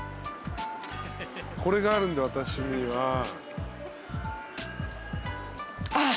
これがあるんで私には。